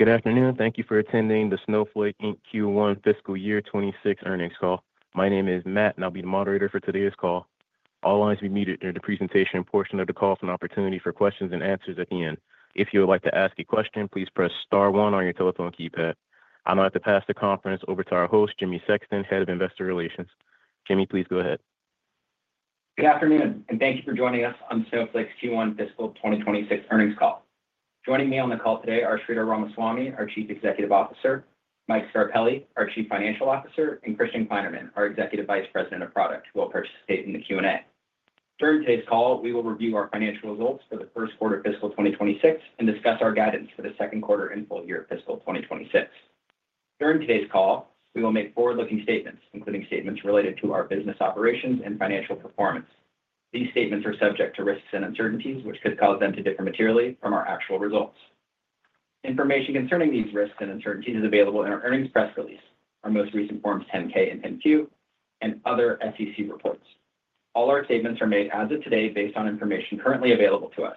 Good afternoon. Thank you for attending the Snowflake, Q1 FY 2026 earnings call. My name is Matt, and I'll be the moderator for today's call. All lines will be muted during the presentation portion of the call for an opportunity for questions and answers at the end. If you would like to ask a question, please press star one on your telephone keypad. I'm about to pass the conference over to our host, Jimmy Sexton, Head of Investor Relations. Jimmy, please go ahead. Good afternoon, and thank you for joining us on Snowflake's Q1 FY 2026 earnings call. Joining me on the call today are Sridhar Ramaswamy, our Chief Executive Officer; Mike Scarpelli, our Chief Financial Officer; and Christian Kleinerman, our Executive Vice President of Product, who will participate in the Q&A. During today's call, we will review our financial results for the first quarter of fiscal 2026 and discuss our guidance for the second quarter and full year of fiscal 2026. During today's call, we will make forward-looking statements, including statements related to our business operations and financial performance. These statements are subject to risks and uncertainties, which could cause them to differ materially from our actual results. Information concerning these risks and uncertainties is available in our earnings press release, our most recent forms 10-K and 10-Q, and other SEC reports. All our statements are made as of today based on information currently available to us.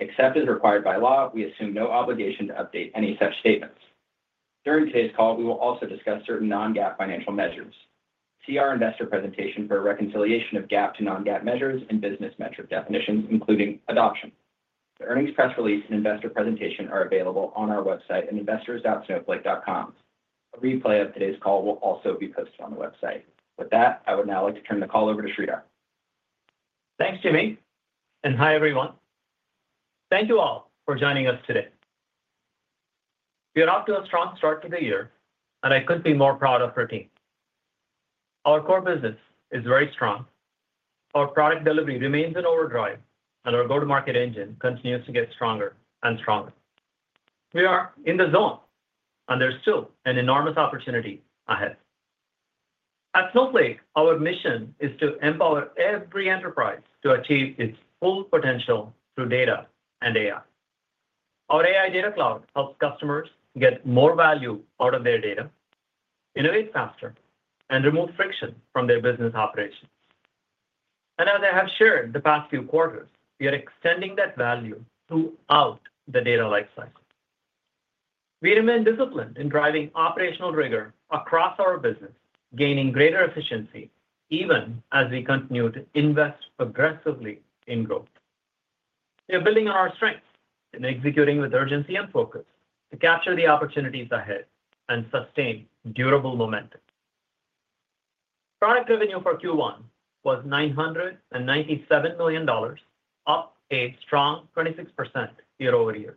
Except as required by law, we assume no obligation to update any such statements. During today's call, we will also discuss certain non-GAAP financial measures. See our investor presentation for a reconciliation of GAAP to non-GAAP measures and business metric definitions, including adoption. The earnings press release and investor presentation are available on our website at investors.snowflake.com. A replay of today's call will also be posted on the website. With that, I would now like to turn the call over to Sridhar. Thanks, Jimmy. Hi, everyone. Thank you all for joining us today. We are off to a strong start to the year, and I could not be more proud of our team. Our core business is very strong. Our product delivery remains in overdrive, and our go-to-market engine continues to get stronger and stronger. We are in the zone, and there is still an enormous opportunity ahead. At Snowflake, our mission is to empower every enterprise to achieve its full potential through data and AI. Our AI Data Cloud helps customers get more value out of their data, innovate faster, and remove friction from their business operations. As I have shared the past few quarters, we are extending that value throughout the data lifecycle. We remain disciplined in driving operational rigor across our business, gaining greater efficiency even as we continue to invest aggressively in growth. We are building on our strengths and executing with urgency and focus to capture the opportunities ahead and sustain durable momentum. Product revenue for Q1 was $997 million, up a strong 26% year over year.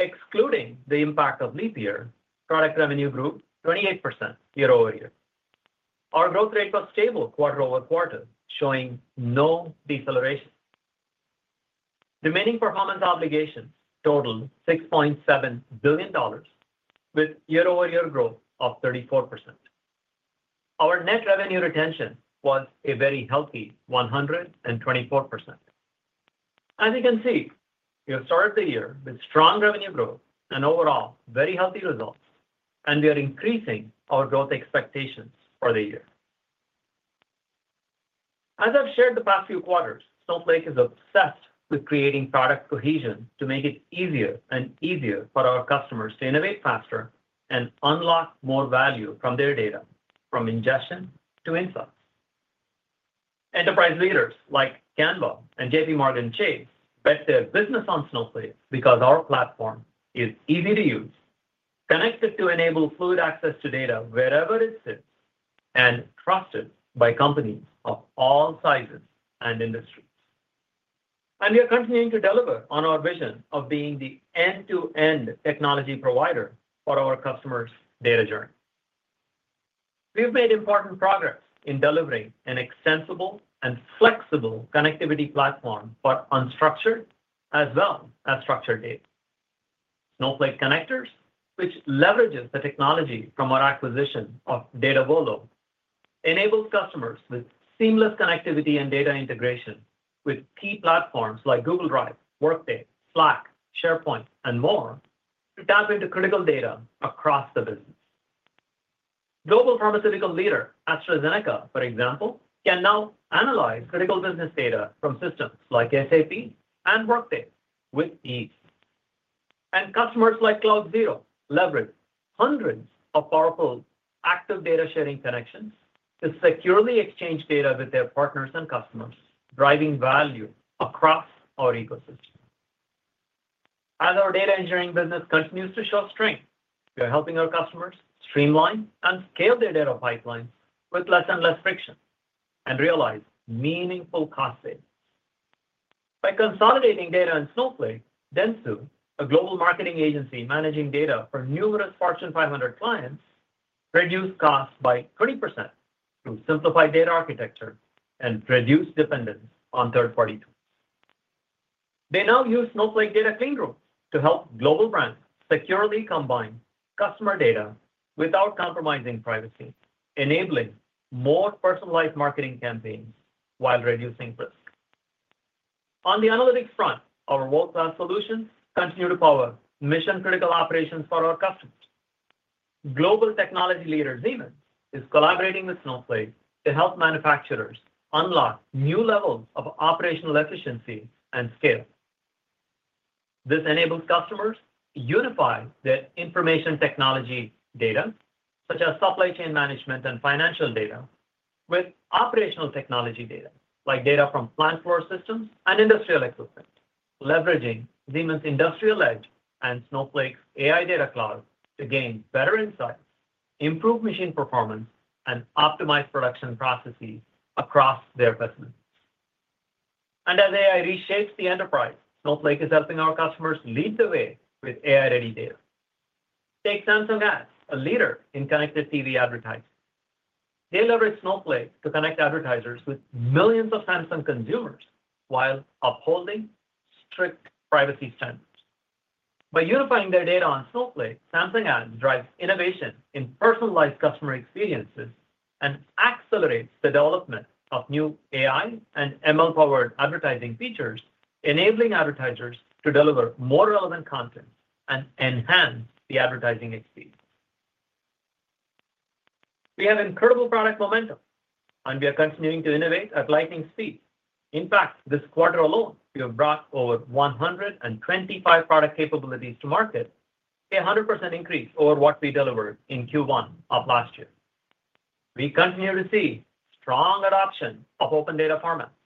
Excluding the impact of leap year, product revenue grew 28% year over year. Our growth rate was stable quarter over quarter, showing no deceleration. Remaining performance obligations totaled $6.7 billion, with year-over-year growth of 34%. Our net revenue retention was a very healthy 124%. As you can see, we have started the year with strong revenue growth and overall very healthy results, and we are increasing our growth expectations for the year. As I've shared the past few quarters, Snowflake is obsessed with creating product cohesion to make it easier and easier for our customers to innovate faster and unlock more value from their data, from ingestion to insights. Enterprise leaders like Canva and JPMorgan Chase bet their business on Snowflake because our platform is easy to use, connected to enable fluid access to data wherever it sits, and trusted by companies of all sizes and industries. We are continuing to deliver on our vision of being the end-to-end technology provider for our customers' data journey. We have made important progress in delivering an extensible and flexible connectivity platform for unstructured as well as structured data. Snowflake Connectors, which leverages the technology from our acquisition of Datavolo, enables customers with seamless connectivity and data integration with key platforms like Google Drive, Workday, Slack, SharePoint, and more to tap into critical data across the business. Global pharmaceutical leader AstraZeneca, for example, can now analyze critical business data from systems like SAP and Workday with ease. Customers like Cloud Zero leverage hundreds of powerful active data sharing connections to securely exchange data with their partners and customers, driving value across our ecosystem. As our data engineering business continues to show strength, we are helping our customers streamline and scale their data pipelines with less and less friction and realize meaningful cost savings. By consolidating data in Snowflake, Dentsu, a global marketing agency managing data for numerous Fortune 500 clients, reduced costs by 20% through simplified data architecture and reduced dependence on third-party tools. They now use Snowflake Data Clean Room to help global brands securely combine customer data without compromising privacy, enabling more personalized marketing campaigns while reducing risk. On the analytics front, our world-class solutions continue to power mission-critical operations for our customers. Global technology leader Siemens is collaborating with Snowflake to help manufacturers unlock new levels of operational efficiency and scale. This enables customers to unify their information technology data, such as supply chain management and financial data, with operational technology data like data from plant floor systems and industrial equipment, leveraging Siemens' Industrial Edge and Snowflake's AI Data Cloud to gain better insights, improve machine performance, and optimize production processes across their customers. As AI reshapes the enterprise, Snowflake is helping our customers lead the way with AI-ready data. Take Samsung Ads, a leader in connected TV advertising. They leverage Snowflake to connect advertisers with millions of Samsung consumers while upholding strict privacy standards. By unifying their data on Snowflake, Samsung Ads drives innovation in personalized customer experiences and accelerates the development of new AI and ML-powered advertising features, enabling advertisers to deliver more relevant content and enhance the advertising experience. We have incredible product momentum, and we are continuing to innovate at lightning speed. In fact, this quarter alone, we have brought over 125 product capabilities to market, a 100% increase over what we delivered in Q1 of last year. We continue to see strong adoption of open data formats,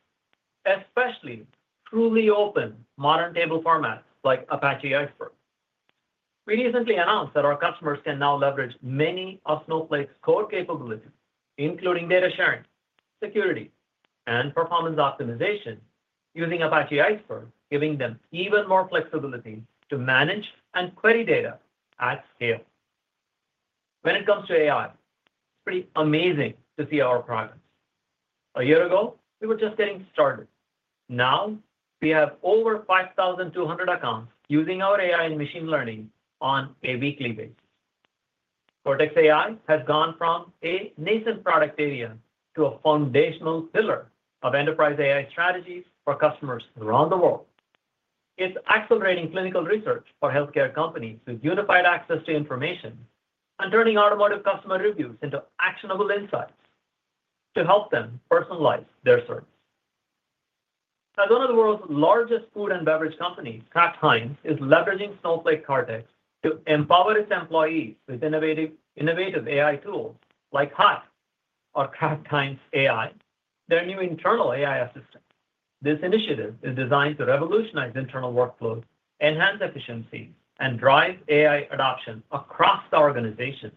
especially truly open modern table formats like Apache Iceberg. We recently announced that our customers can now leverage many of Snowflake's core capabilities, including data sharing, security, and performance optimization, using Apache Iceberg, giving them even more flexibility to manage and query data at scale. When it comes to AI, it's pretty amazing to see our progress. A year ago, we were just getting started. Now, we have over 5,200 accounts using our AI and machine learning on a weekly basis. Cortex AI has gone from a nascent product area to a foundational pillar of enterprise AI strategies for customers around the world. It's accelerating clinical research for healthcare companies with unified access to information and turning automotive customer reviews into actionable insights to help them personalize their service. As one of the world's largest food and beverage companies, Kraft Heinz is leveraging Snowflake Cortex to empower its employees with innovative AI tools like HAT or Kraft Heinz AI, their new internal AI assistant. This initiative is designed to revolutionize internal workflows, enhance efficiencies, and drive AI adoption across the organization,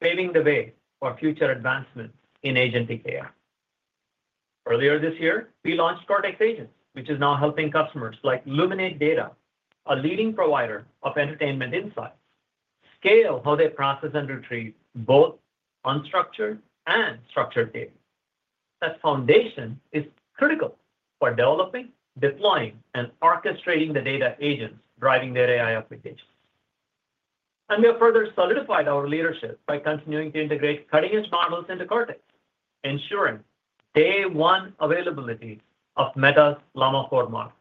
paving the way for future advancements in agentic AI. Earlier this year, we launched Cortex Agents, which is now helping customers like Luminate Data, a leading provider of entertainment insights, scale how they process and retrieve both unstructured and structured data. That foundation is critical for developing, deploying, and orchestrating the data agents driving their AI applications. We have further solidified our leadership by continuing to integrate cutting-edge models into Cortex, ensuring day-one availability of Meta's Llama 4 model.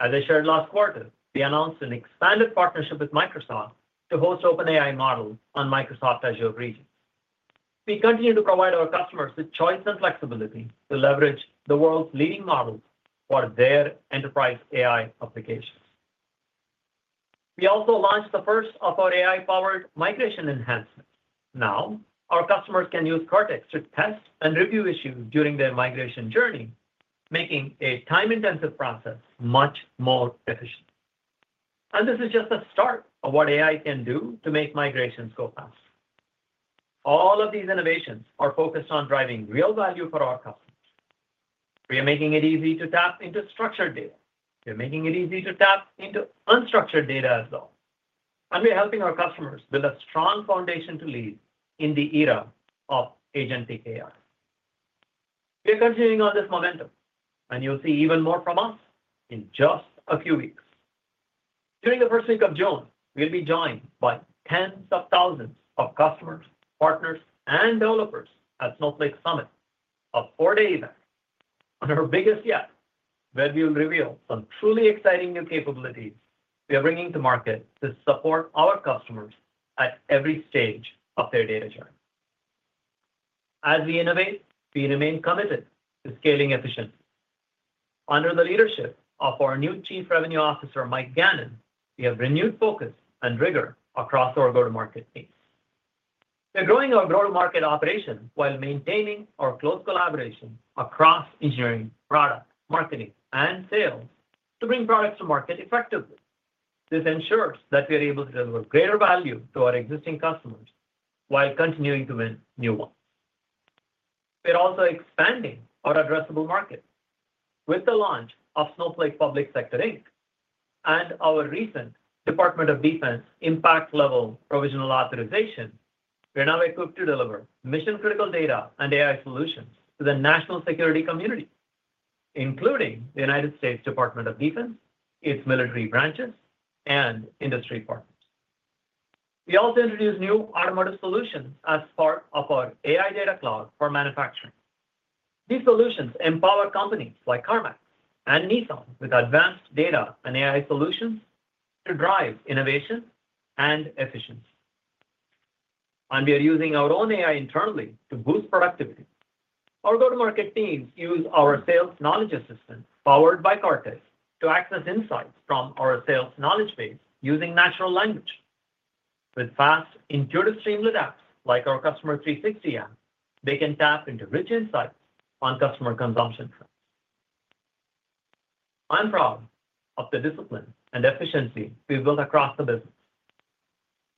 As I shared last quarter, we announced an expanded partnership with Microsoft to host OpenAI models on Microsoft Azure regions. We continue to provide our customers with choice and flexibility to leverage the world's leading models for their enterprise AI applications. We also launched the first of our AI-powered migration enhancements. Now, our customers can use Cortex to test and review issues during their migration journey, making a time-intensive process much more efficient. This is just the start of what AI can do to make migrations go fast. All of these innovations are focused on driving real value for our customers. We are making it easy to tap into structured data. We are making it easy to tap into unstructured data as well. We are helping our customers build a strong foundation to lead in the era of agentic AI. We are continuing on this momentum, and you'll see even more from us in just a few weeks. During the first week of June, we'll be joined by tens of thousands of customers, partners, and developers at Snowflake Summit, a four-day event on our biggest yacht, where we will reveal some truly exciting new capabilities we are bringing to market to support our customers at every stage of their data journey. As we innovate, we remain committed to scaling efficiency. Under the leadership of our new Chief Revenue Officer, Mike Gannon, we have renewed focus and rigor across our go-to-market base. We are growing our go-to-market operation while maintaining our close collaboration across engineering, product, marketing, and sales to bring products to market effectively. This ensures that we are able to deliver greater value to our existing customers while continuing to win new ones. We are also expanding our addressable market. With the launch of Snowflake Public Sector and our recent Department of Defense impact-level provisional authorization, we're now equipped to deliver mission-critical data and AI solutions to the national security community, including the U.S. Department of Defense, its military branches, and industry partners. We also introduced new automotive solutions as part of our AI Data Cloud for manufacturing. These solutions empower companies like CarMax and Nissan with advanced data and AI solutions to drive innovation and efficiency. We are using our own AI internally to boost productivity. Our go-to-market teams use our sales knowledge assistant powered by Cortex to access insights from our sales knowledge base using natural language. With fast, intuitive streamlined apps like our Customer 360 app, they can tap into rich insights on customer consumption trends. I'm proud of the discipline and efficiency we've built across the business.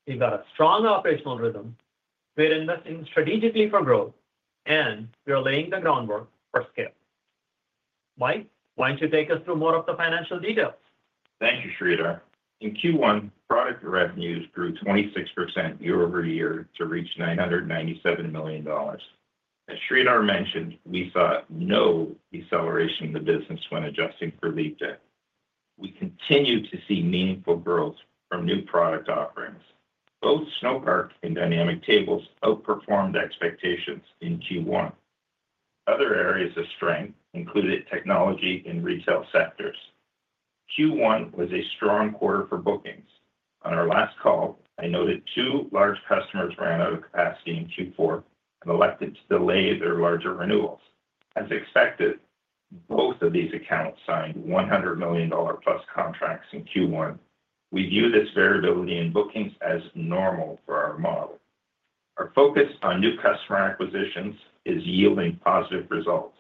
We've got a strong operational rhythm. We're investing strategically for growth, and we're laying the groundwork for scale. Mike, why don't you take us through more of the financial details? Thank you, Sridhar. In Q1, product revenues grew 26% year over year to reach $997 million. As Sridhar mentioned, we saw no deceleration in the business when adjusting for leap day. We continue to see meaningful growth from new product offerings. Both Snowpark and Dynamic Tables outperformed expectations in Q1. Other areas of strength included technology and retail sectors. Q1 was a strong quarter for bookings. On our last call, I noted two large customers ran out of capacity in Q4 and elected to delay their larger renewals. As expected, both of these accounts signed $100 million-plus contracts in Q1. We view this variability in bookings as normal for our model. Our focus on new customer acquisitions is yielding positive results.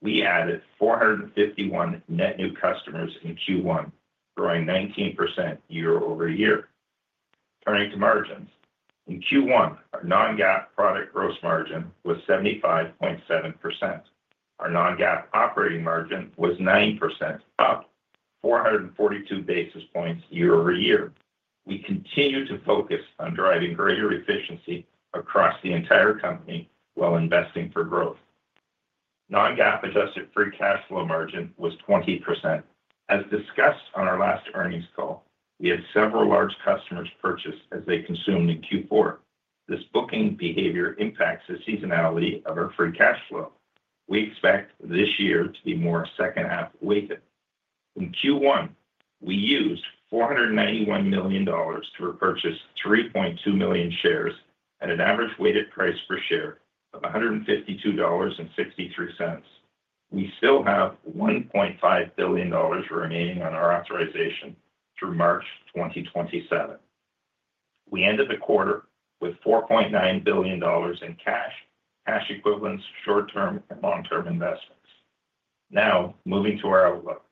We added 451 net new customers in Q1, growing 19% year over year. Turning to margins, in Q1, our non-GAAP product gross margin was 75.7%. Our non-GAAP operating margin was 9%, up 442 basis points year over year. We continue to focus on driving greater efficiency across the entire company while investing for growth. Non-GAAP adjusted free cash flow margin was 20%. As discussed on our last earnings call, we had several large customers purchase as they consumed in Q4. This booking behavior impacts the seasonality of our free cash flow. We expect this year to be more second-half weighted. In Q1, we used $491 million to repurchase 3.2 million shares at an average weighted price per share of $152.63. We still have $1.5 billion remaining on our authorization through March 2027. We ended the quarter with $4.9 billion in cash, cash equivalents, short-term and long-term investments. Now, moving to our outlook.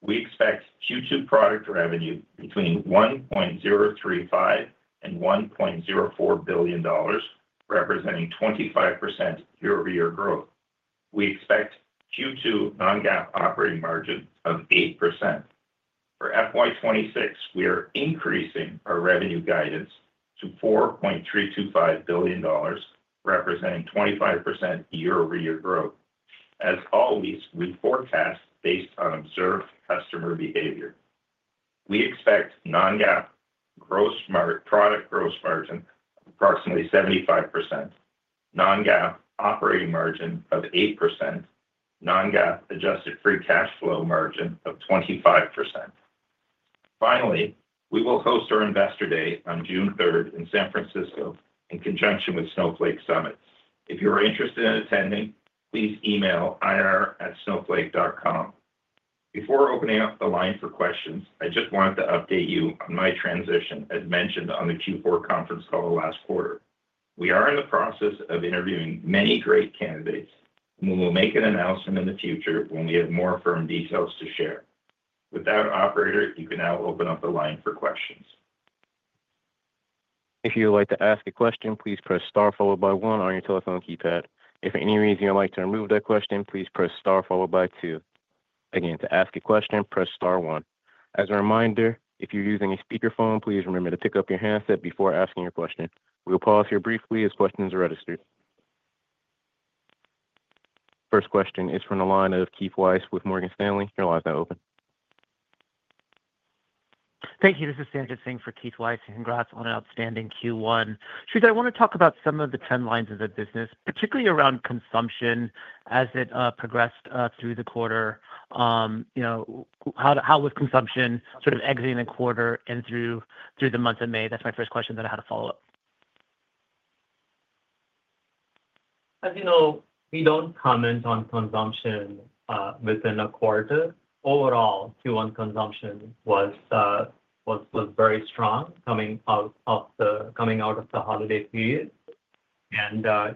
We expect Q2 product revenue between $1.035 billion and $1.04 billion, representing 25% year-over-year growth. We expect Q2 non-GAAP operating margin of 8%. For FY2026, we are increasing our revenue guidance to $4.325 billion, representing 25% year-over-year growth. As always, we forecast based on observed customer behavior. We expect non-GAAP product gross margin of approximately 75%, non-GAAP operating margin of 8%, and non-GAAP adjusted free cash flow margin of 25%. Finally, we will host our investor day on June 3rd in San Francisco in conjunction with Snowflake Summit. If you are interested in attending, please email ir@snowflake.com. Before opening up the line for questions, I just wanted to update you on my transition, as mentioned on the Q4 conference call last quarter. We are in the process of interviewing many great candidates, and we will make an announcement in the future when we have more firm details to share. With that, operator, you can now open up the line for questions. If you would like to ask a question, please press star followed by one on your telephone keypad. If for any reason you'd like to remove that question, please press star followed by two. Again, to ask a question, press star one. As a reminder, if you're using a speakerphone, please remember to pick up your handset before asking your question. We'll pause here briefly as questions are registered. First question is from the line of Keith Weiss with Morgan Stanley. Your line's now open. Thank you. This is Satyendra Singh for Keith Weiss. Congrats on an outstanding Q1. Sridhar, I want to talk about some of the trend lines of the business, particularly around consumption as it progressed through the quarter. How was consumption sort of exiting the quarter and through the month of May? That's my first question that I had a follow-up. As you know, we don't comment on consumption within a quarter. Overall, Q1 consumption was very strong coming out of the holiday period.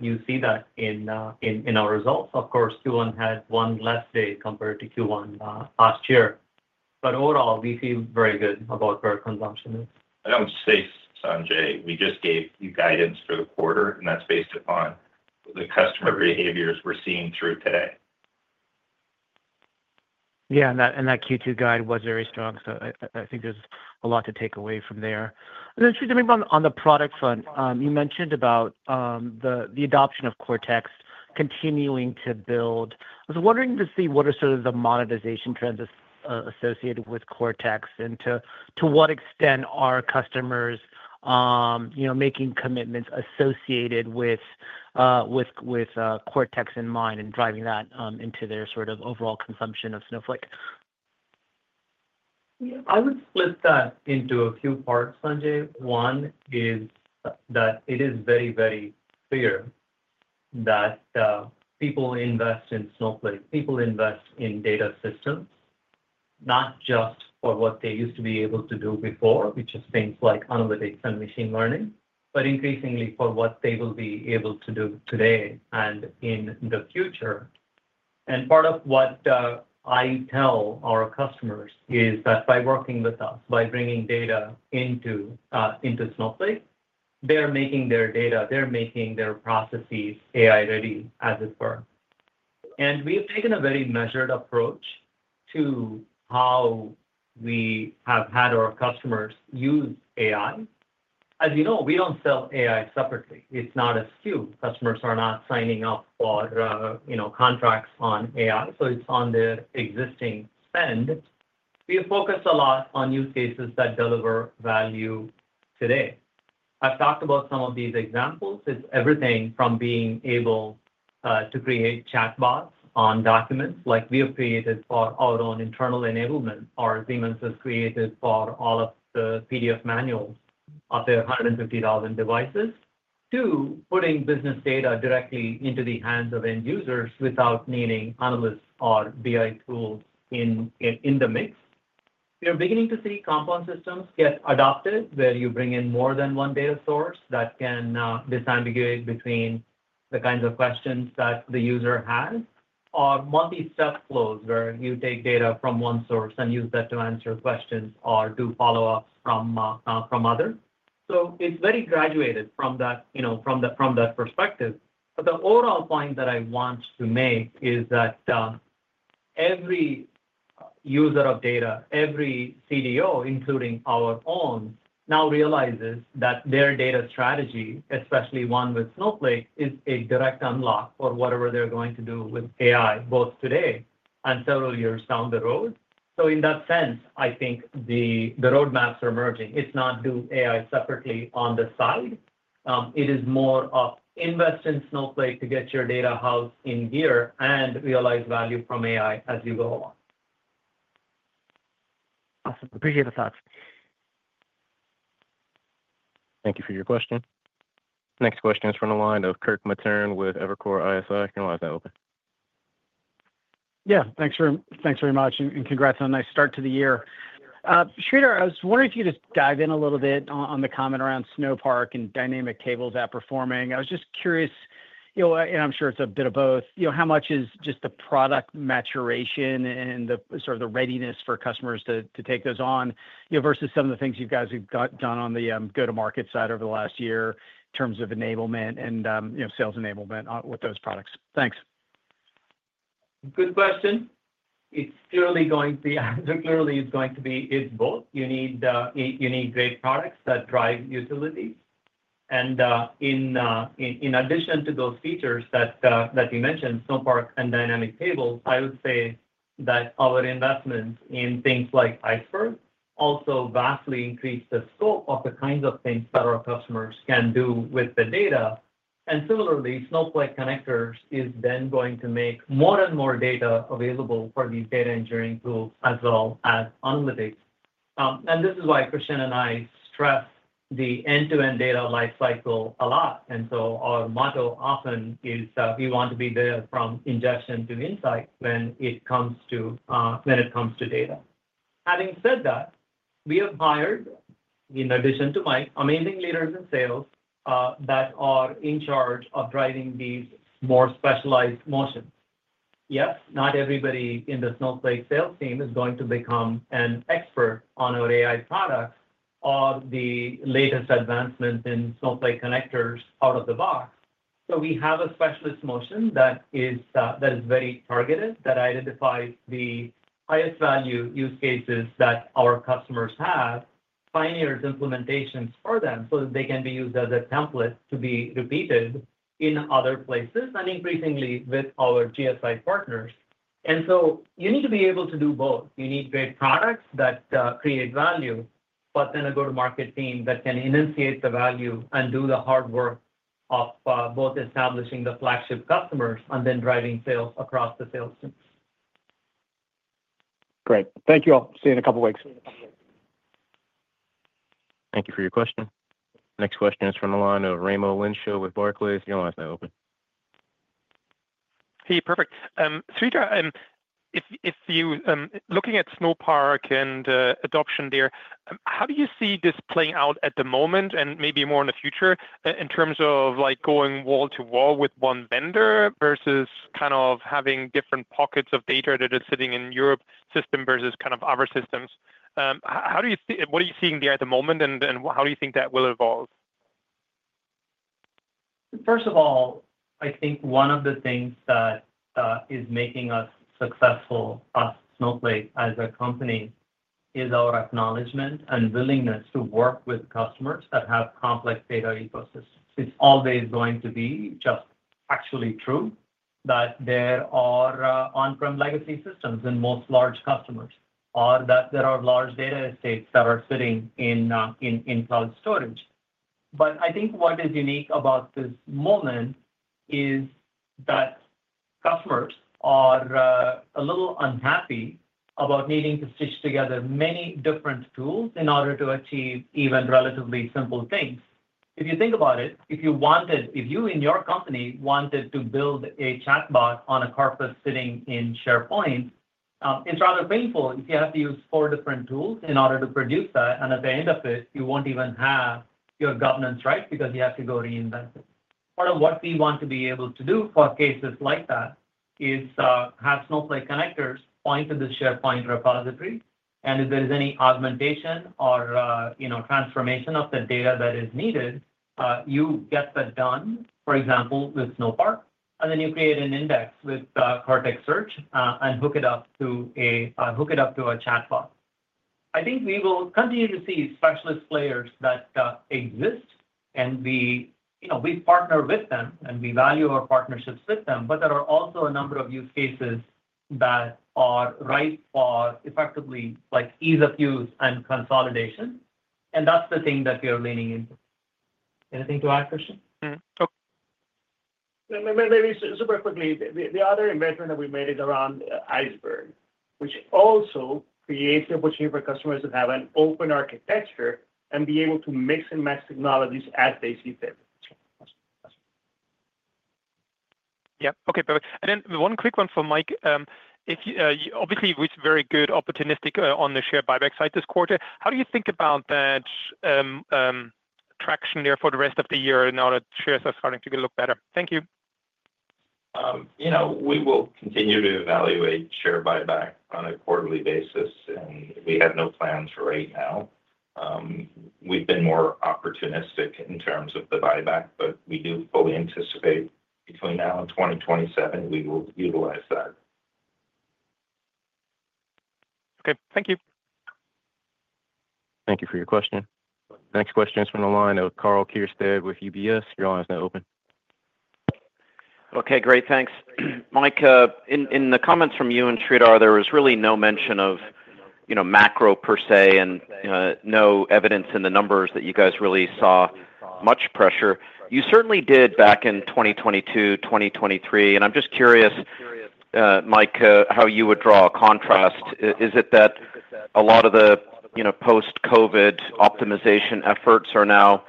You see that in our results. Of course, Q1 had one less day compared to Q1 last year. Overall, we feel very good about where consumption is. I don't see, Satye, we just gave you guidance for the quarter, and that's based upon the customer behaviors we're seeing through today. Yeah, and that Q2 guide was very strong. I think there's a lot to take away from there. Then, Sridhar, on the product front, you mentioned the adoption of Cortex continuing to build. I was wondering to see what are sort of the monetization trends associated with Cortex and to what extent are customers making commitments associated with Cortex in mind and driving that into their overall consumption of Snowflake. I would split that into a few parts, Satye. One is that it is very, very clear that people invest in Snowflake. People invest in data systems, not just for what they used to be able to do before, which is things like analytics and machine learning, but increasingly for what they will be able to do today and in the future. Part of what I tell our customers is that by working with us, by bringing data into Snowflake, they are making their data, they're making their processes AI-ready, as it were. We have taken a very measured approach to how we have had our customers use AI. As you know, we don't sell AI separately. It's not a SKU. Customers are not signing up for contracts on AI, so it's on their existing spend. We focus a lot on use cases that deliver value today. I've talked about some of these examples. It's everything from being able to create chatbots on documents like we have created for our own internal enablement, or Siemens has created for all of the PDF manuals of their 150,000 devices, to putting business data directly into the hands of end users without needing analysts or BI tools in the mix. We are beginning to see compound systems get adopted where you bring in more than one data source that can disambiguate between the kinds of questions that the user has, or multi-step flows where you take data from one source and use that to answer questions or do follow-ups from others. It is very graduated from that perspective. The overall point that I want to make is that every user of data, every CDO, including our own, now realizes that their data strategy, especially one with Snowflake, is a direct unlock for whatever they're going to do with AI, both today and several years down the road. Yeah. Thanks very much. And congrats on a nice start to the year. Sridhar, I was wondering if you could just dive in a little bit on the comment around Snowpark and Dynamic Tables outperforming. I was just curious, and I'm sure it's a bit of both, how much is just the product maturation and sort of the readiness for customers to take those on versus some of the things you guys have done on the go-to-market side over the last year in terms of enablement and sales enablement with those products? Thanks. Good question. It's clearly going to be both. You need great products that drive utilities. In addition to those features that you mentioned, Snowpark and Dynamic Tables, I would say that our investments in things like Iceberg also vastly increased the scope of the kinds of things that our customers can do with the data. Similarly, Snowflake Connectors is then going to make more and more data available for these data engineering tools as well as analytics. This is why Christian and I stress the end-to-end data lifecycle a lot. Our motto often is we want to be there from injection to insight when it comes to data. Having said that, we have hired, in addition to my amazing leaders in sales, that are in charge of driving these more specialized motions. Yes, not everybody in the Snowflake sales team is going to become an expert on our AI products or the latest advancements in Snowflake Connectors out of the box. We have a specialist motion that is very targeted, that identifies the highest value use cases that our customers have, pioneers implementations for them so that they can be used as a template to be repeated in other places and increasingly with our GSI partners. You need to be able to do both. You need great products that create value, but then a go-to-market team that can enunciate the value and do the hard work of both establishing the flagship customers and then driving sales across the sales teams. Great. Thank you all. See you in a couple of weeks. Thank you for your question. Next question is from the line of Raimo Lenschow with Barclays. You'll want to have that open. Hey, perfect. Sridhar, if you're looking at Snowpark and adoption there, how do you see this playing out at the moment and maybe more in the future in terms of going wall-to-wall with one vendor versus kind of having different pockets of data that are sitting in your system versus kind of other systems? How do you see what are you seeing there at the moment, and how do you think that will evolve? First of all, I think one of the things that is making us successful, us Snowflake as a company, is our acknowledgment and willingness to work with customers that have complex data ecosystems. It's always going to be just actually true that there are on-prem legacy systems in most large customers or that there are large data estates that are sitting in cloud storage. I think what is unique about this moment is that customers are a little unhappy about needing to stitch together many different tools in order to achieve even relatively simple things. If you think about it, if you in your company wanted to build a chatbot on a corpus sitting in SharePoint, it is rather painful if you have to use four different tools in order to produce that. At the end of it, you will not even have your governance right because you have to go reinvent it. Part of what we want to be able to do for cases like that is have Snowflake Connectors point to the SharePoint repository. If there is any augmentation or transformation of the data that is needed, you get that done, for example, with Snowpark, and then you create an index with Cortex Search and hook it up to a chatbot. I think we will continue to see specialist players that exist, and we partner with them, and we value our partnerships with them. There are also a number of use cases that are ripe for effectively ease of use and consolidation. That is the thing that we are leaning into. Anything to add, Christian? Maybe super quickly, the other investment that we made is around Iceberg, which also creates the opportunity for customers to have an open architecture and be able to mix and match technologies as they see fit. Yep. Okay. Perfect. One quick one for Mike. Obviously, it was very good, opportunistic on the share buyback side this quarter. How do you think about that traction there for the rest of the year now that shares are starting to look better? Thank you. We will continue to evaluate share buyback on a quarterly basis, and we have no plans right now. We've been more opportunistic in terms of the buyback, but we do fully anticipate between now and 2027, we will utilize that. Okay. Thank you. Thank you for your question. Next question is from the line of Karl Keirstead with UBS. Your line's now open. Okay. Great. Thanks. Mike, in the comments from you and Sridhar, there was really no mention of macro per se and no evidence in the numbers that you guys really saw much pressure. You certainly did back in 2022, 2023. I'm just curious, Mike, how you would draw a contrast. Is it that a lot of the post-COVID optimization efforts are now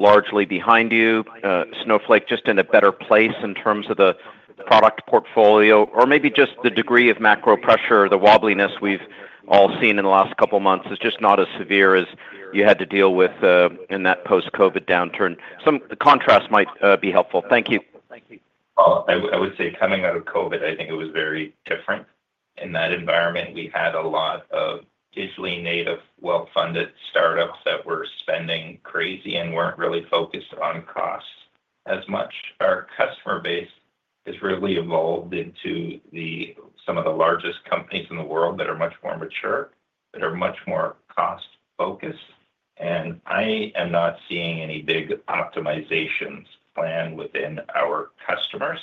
largely behind you? Snowflake just in a better place in terms of the product portfolio or maybe just the degree of macro pressure, the wobbliness we've all seen in the last couple of months is just not as severe as you had to deal with in that post-COVID downturn. Some contrast might be helpful. Thank you. I would say coming out of COVID, I think it was very different. In that environment, we had a lot of digitally native, well-funded startups that were spending crazy and were not really focused on cost as much. Our customer base has really evolved into some of the largest companies in the world that are much more mature, that are much more cost-focused. I am not seeing any big optimizations planned within our customers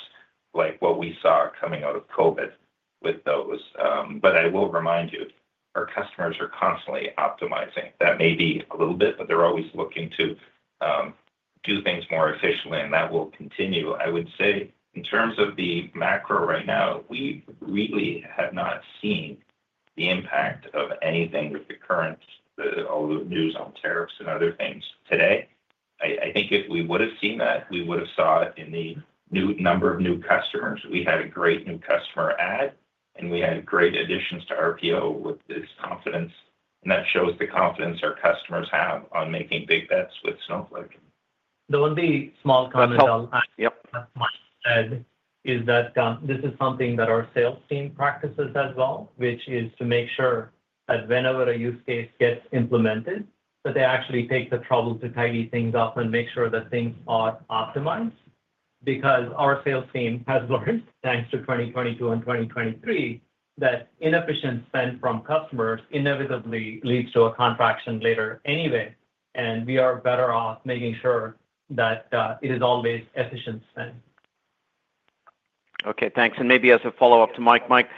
like what we saw coming out of COVID with those. I will remind you, our customers are constantly optimizing. That may be a little bit, but they're always looking to do things more efficiently, and that will continue. I would say in terms of the macro right now, we really have not seen the impact of anything with the current, all the news on tariffs and other things today. I think if we would have seen that, we would have seen it in the number of new customers. We had a great new customer add, and we had great additions to our PO with this confidence. That shows the confidence our customers have on making big bets with Snowflake. The only small comment I'll add is that this is something that our sales team practices as well, which is to make sure that whenever a use case gets implemented, that they actually take the trouble to tidy things up and make sure that things are optimized. Because our sales team has learned, thanks to 2022 and 2023, that inefficient spend from customers inevitably leads to a contraction later anyway. We are better off making sure that it is always efficient spend. Okay. Thanks. Maybe as a follow-up to Mike, Mike,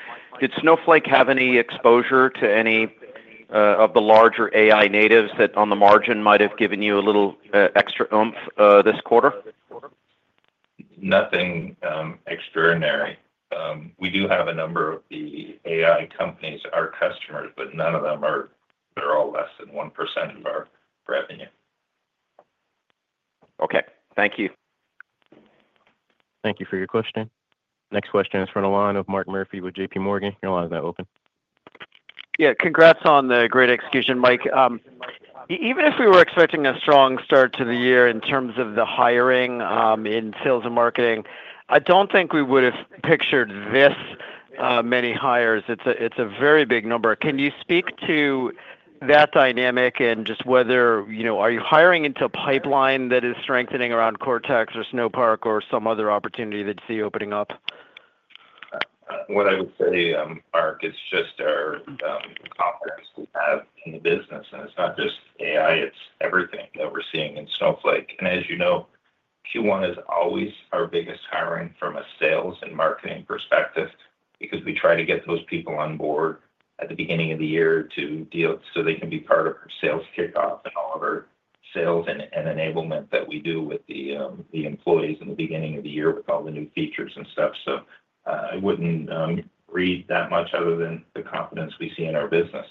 did Snowflake have any exposure to any of the larger AI natives that on the margin might have given you a little extra oomph this quarter? Nothing extraordinary. We do have a number of the AI companies that are customers, but none of them are, they're all less than 1% of our revenue. Okay. Thank you. Thank you for your question. Next question is from the line of Mark Murphy with JPMorgan. Can you want to have that open? Yeah. Congrats on the great execution, Mike. Even if we were expecting a strong start to the year in terms of the hiring in sales and marketing, I don't think we would have pictured this many hires. It's a very big number. Can you speak to that dynamic and just whether are you hiring into a pipeline that is strengthening around Cortex or Snowpark or some other opportunity that you see opening up? What I would say, Mark, it's just our confidence we have in the business. And it's not just AI, it's everything that we're seeing in Snowflake. As you know, Q1 is always our biggest hiring from a sales and marketing perspective because we try to get those people on board at the beginning of the year so they can be part of our sales kickoff and all of our sales and enablement that we do with the employees in the beginning of the year with all the new features and stuff. I would not read that much other than the confidence we see in our business.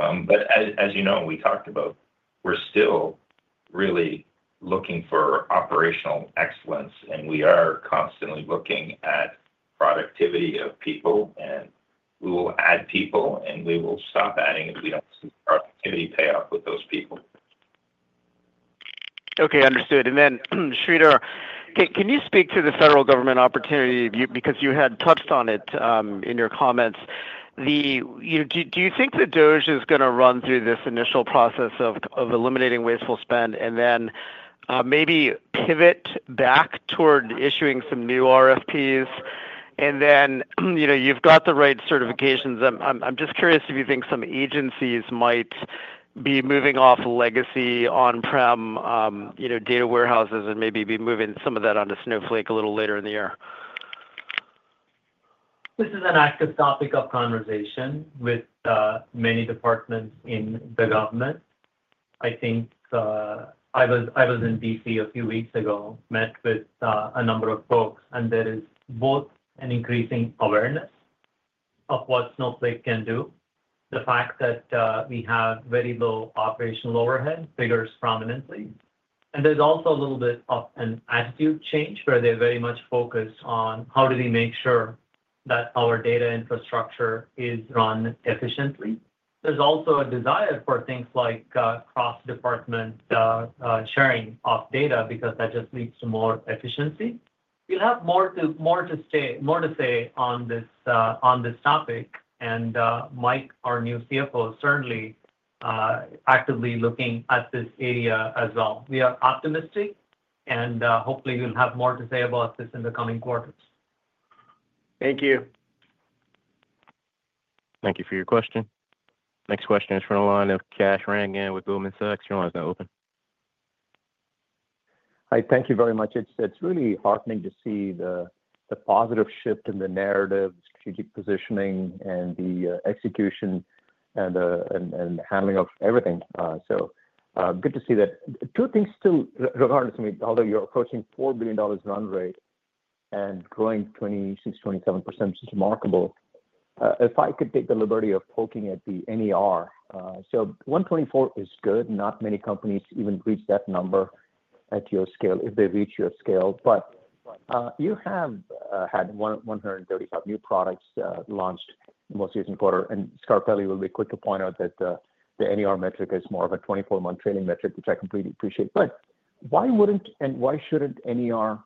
As you know, we talked about we're still really looking for operational excellence, and we are constantly looking at productivity of people. We will add people, and we will stop adding if we do not see productivity pay off with those people. Okay. Understood. Sridhar, can you speak to the federal government opportunity because you had touched on it in your comments? Do you think the DOGE is going to run through this initial process of eliminating wasteful spend and then maybe pivot back toward issuing some new RFPs? You've got the right certifications. I'm just curious if you think some agencies might be moving off legacy on-prem data warehouses and maybe be moving some of that onto Snowflake a little later in the year. This is an active topic of conversation with many departments in the government. I think I was in DC a few weeks ago, met with a number of folks, and there is both an increasing awareness of what Snowflake can do, the fact that we have very low operational overhead figures prominently. There's also a little bit of an attitude change where they're very much focused on how do we make sure that our data infrastructure is run efficiently. There's also a desire for things like cross-department sharing of data because that just leads to more efficiency. We'll have more to say on this topic. Mike, our new CFO, is certainly actively looking at this area as well. We are optimistic, and hopefully, we'll have more to say about this in the coming quarters. Thank you. Thank you for your question. Next question is from the line of Kash Rangan with Goldman Sachs. Your line's now open. Hi. Thank you very much. It's really heartening to see the positive shift in the narrative, the strategic positioning, and the execution and handling of everything. Good to see that. Two things still regardless, I mean, although you're approaching $4 billion run rate and growing 26%-27%, which is remarkable. If I could take the liberty of poking at the NER, 124 is good. Not many companies even reach that number at your scale if they reach your scale. You have had 135 new products launched most recent quarter. Scarpelli will be quick to point out that the NER metric is more of a 24-month training metric, which I completely appreciate. Why wouldn't and why shouldn't NER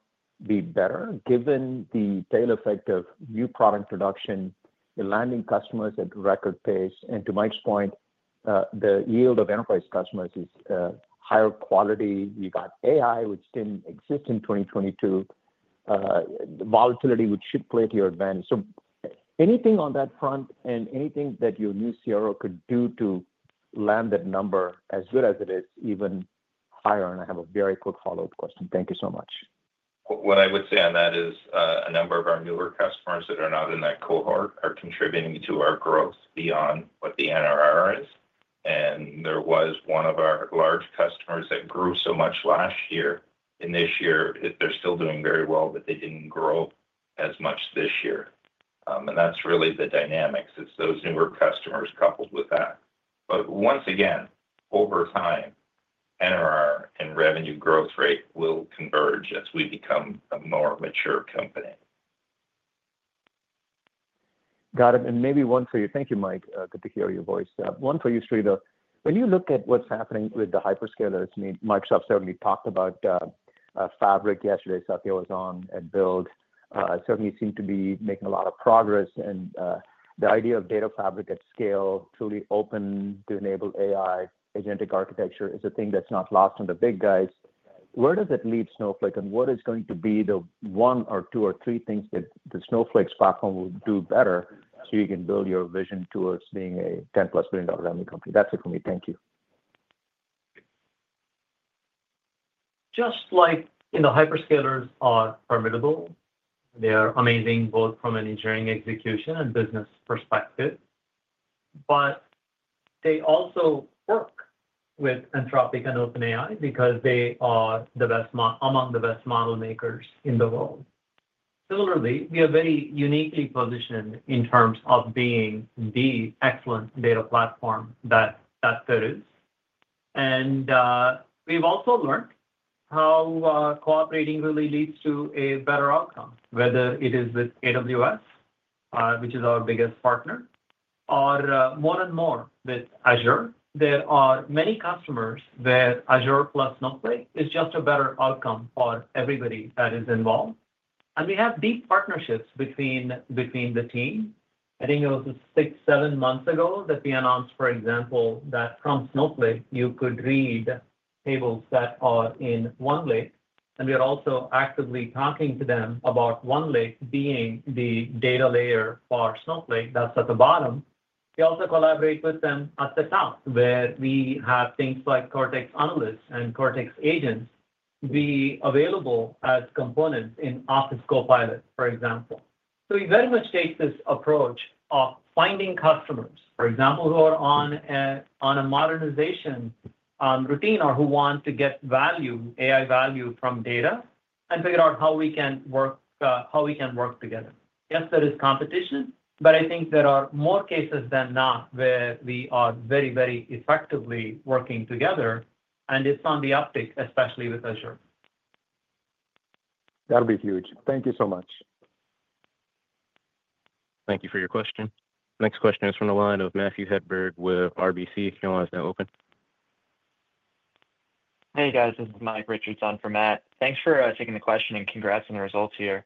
be better given the tail effect of new product production, landing customers at record pace? To Mike's point, the yield of enterprise customers is higher quality. You got AI, which did not exist in 2022, volatility which should play to your advantage. Anything on that front and anything that your new CRO could do to land that number as good as it is, even higher? I have a very quick follow-up question. Thank you so much. What I would say on that is a number of our newer customers that are not in that cohort are contributing to our growth beyond what the NRR is. There was one of our large customers that grew so much last year. This year, they're still doing very well, but they did not grow as much this year. That is really the dynamics. It is those newer customers coupled with that. Once again, over time, NRR and revenue growth rate will converge as we become a more mature company. Got it. Maybe one for you, thank you, Mike. Good to hear your voice. One for you, Sridhar. When you look at what is happening with the hyperscalers, I mean, Microsoft certainly talked about Fabric yesterday. Safiya was on at Build. Certainly seemed to be making a lot of progress. The idea of data Fabric at scale, truly open to enable AI agentic architecture is a thing that's not lost on the big guys. Where does it leave Snowflake? What is going to be the one or two or three things that the Snowflake platform will do better so you can build your vision towards being a 10+ billion revenue company? That's it for me. Thank you. Just like the hyperscalers are formidable, they are amazing both from an engineering execution and business perspective. They also work with Anthropic and OpenAI because they are among the best model makers in the world. Similarly, we are very uniquely positioned in terms of being the excellent data platform that there is. We have also learned how cooperating really leads to a better outcome, whether it is with AWS, which is our biggest partner, or more and more with Azure. There are many customers where Azure plus Snowflake is just a better outcome for everybody that is involved. We have deep partnerships between the team. I think it was six, seven months ago that we announced, for example, that from Snowflake, you could read tables that are in OneLake. We are also actively talking to them about OneLake being the data layer for Snowflake that is at the bottom. We also collaborate with them at the top where we have things like Cortex Analyst and Cortex Agents be available as components in Office Copilot, for example. We very much take this approach of finding customers, for example, who are on a modernization routine or who want to get value, AI value from data and figure out how we can work together. Yes, there is competition, but I think there are more cases than not where we are very, very effectively working together. It is on the uptick, especially with Azure. That will be huge. Thank you so much. Thank you for your question. Next question is from the line of Matthew Hedberg with RBC. Can you want to have that open? Hey, guys. This is Mike Richardson from Matt. Thanks for taking the question and congrats on the results here.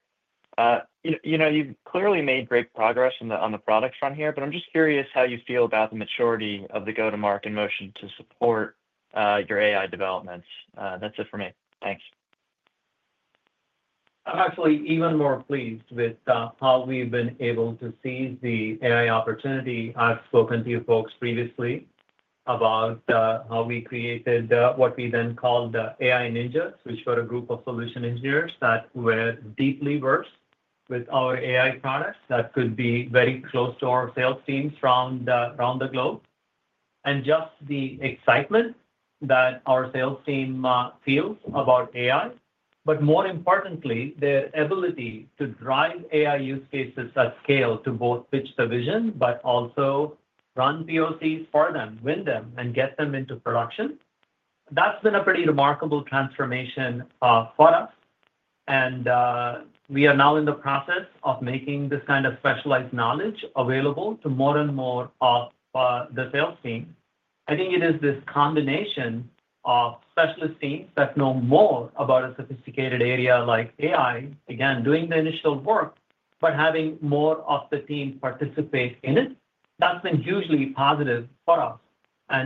You have clearly made great progress on the product front here, but I am just curious how you feel about the maturity of the go-to-market motion to support your AI developments. That is it for me. Thanks. I am actually even more pleased with how we have been able to seize the AI opportunity. I've spoken to you folks previously about how we created what we then called the AI Ninjas, which were a group of solution engineers that were deeply versed with our AI products that could be very close to our sales teams around the globe. Just the excitement that our sales team feels about AI, but more importantly, their ability to drive AI use cases at scale to both pitch the vision, but also run POCs for them, win them, and get them into production. That's been a pretty remarkable transformation for us. We are now in the process of making this kind of specialized knowledge available to more and more of the sales team. I think it is this combination of specialist teams that know more about a sophisticated area like AI, again, doing the initial work, but having more of the team participate in it. That's been hugely positive for us.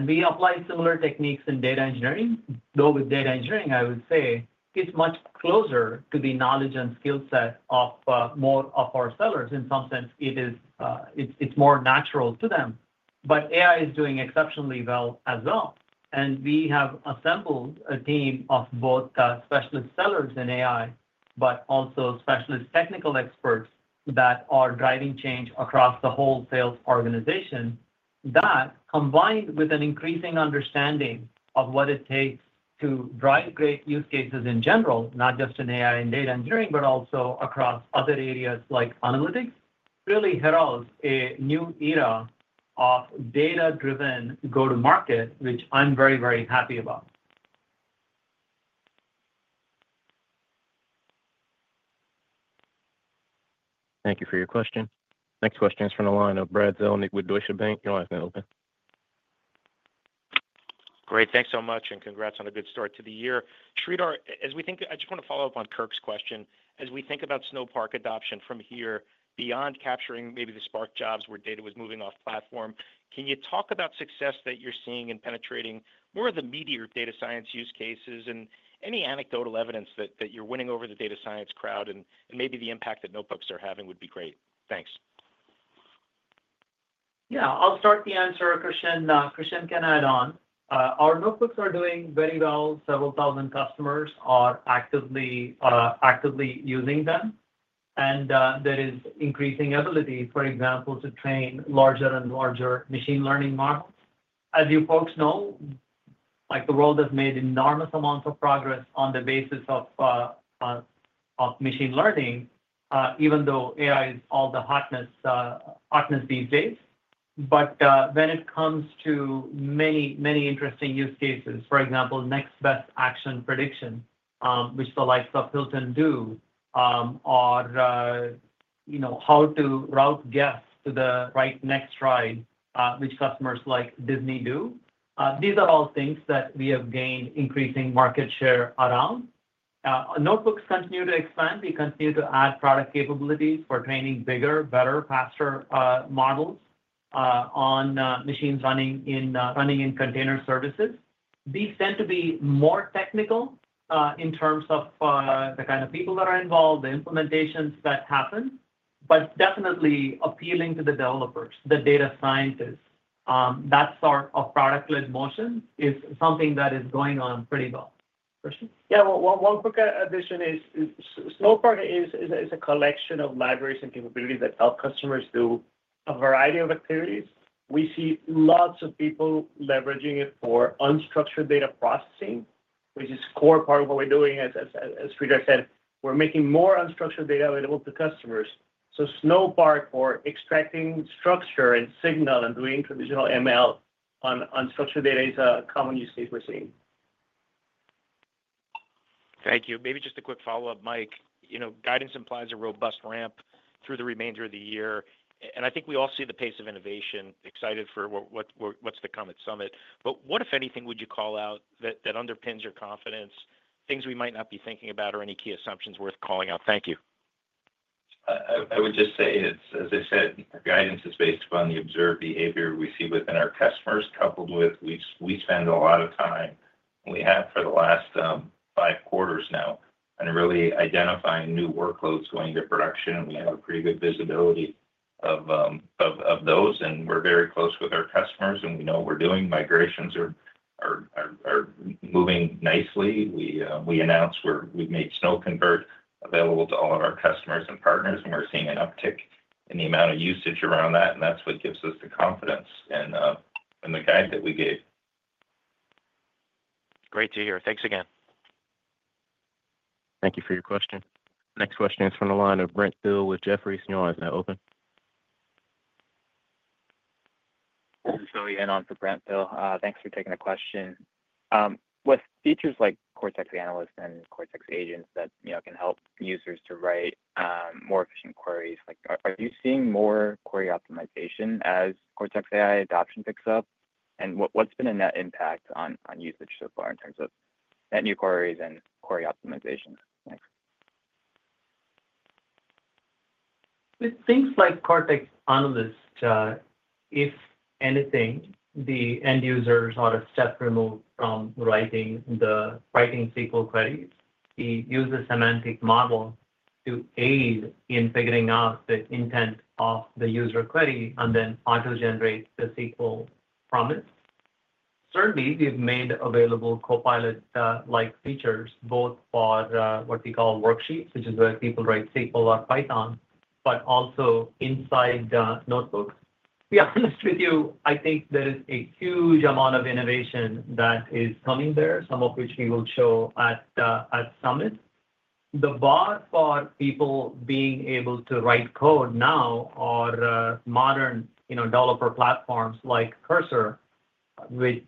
We apply similar techniques in data engineering. Though with data engineering, I would say it's much closer to the knowledge and skill set of more of our sellers. In some sense, it's more natural to them. AI is doing exceptionally well as well. We have assembled a team of both specialist sellers in AI, but also specialist technical experts that are driving change across the whole sales organization. That, combined with an increasing understanding of what it takes to drive great use cases in general, not just in AI and data engineering, but also across other areas like analytics, really heralds a new era of data-driven go-to-market, which I'm very, very happy about. Thank you for your question. Next question is from the line of Brad Zelnick with Deutsche Bank. Can you want to have that open? Great. Thanks so much. Congrats on a good start to the year. Sridhar, as we think I just want to follow up on Kirk's question. As we think about Snowpark adoption from here, beyond capturing maybe the Spark jobs where data was moving off platform, can you talk about success that you're seeing in penetrating more of the media data science use cases and any anecdotal evidence that you're winning over the data science crowd? Maybe the impact that notebooks are having would be great. Thanks. Yeah. I'll start the answer, Christian. Christian can add on. Our notebooks are doing very well. Several thousand customers are actively using them. There is increasing ability, for example, to train larger and larger machine learning models. As you folks know, the world has made enormous amounts of progress on the basis of machine learning, even though AI is all the hotness these days. When it comes to many, many interesting use cases, for example, next best action prediction, which the likes of Hilton do, or how to route guests to the right next ride, which customers like Disney do, these are all things that we have gained increasing market share around. Notebooks continue to expand. We continue to add product capabilities for training bigger, better, faster models on machines running in container services. These tend to be more technical in terms of the kind of people that are involved, the implementations that happen, but definitely appealing to the developers, the data scientists. That sort of product-led motion is something that is going on pretty well. Christian? Yeah. One quick addition is Snowpark is a collection of libraries and capabilities that help customers do a variety of activities. We see lots of people leveraging it for unstructured data processing, which is a core part of what we're doing. As Sridhar said, we're making more unstructured data available to customers. Snowpark for extracting structure and signal and doing traditional ML on unstructured data is a common use case we're seeing. Thank you. Maybe just a quick follow-up, Mike. Guidance implies a robust ramp through the remainder of the year. I think we all see the pace of innovation. Excited for what's to come at Summit. What, if anything, would you call out that underpins your confidence? Things we might not be thinking about or any key assumptions worth calling out. Thank you. I would just say, as I said, guidance is based upon the observed behavior we see within our customers, coupled with we spend a lot of time, we have for the last five quarters now, on really identifying new workloads going to production. We have a pretty good visibility of those. We're very close with our customers. We know we're doing migrations are moving nicely. We announced we've made SnowConvert available to all of our customers and partners. We're seeing an uptick in the amount of usage around that. That's what gives us the confidence in the guide that we gave. Great to hear. Thanks again. Thank you for your question. Next question is from the line of Brent Thill with Jefferies. Can you want to have that open? This is Zoe Yenon for Brent Thill. Thanks for taking the question. With features like Cortex Analyst and Cortex Agents that can help users to write more efficient queries, are you seeing more query optimization as Cortex AI adoption picks up? What's been a net impact on usage so far in terms of net new queries and query optimization? Thanks. With things like Cortex Analyst, if anything, the end users are a step removed from writing the writing SQL queries. He uses a semantic model to aid in figuring out the intent of the user query and then auto-generate the SQL promise. Certainly, we've made available Copilot-like features both for what we call worksheets, which is where people write SQL or Python, but also inside notebooks. To be honest with you, I think there is a huge amount of innovation that is coming there, some of which we will show at Summit. The bar for people being able to write code now are modern developer platforms like Cursor and